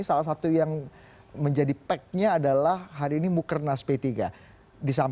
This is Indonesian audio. salah satu yang menjadi packnya adalah hari ini mukernas p tiga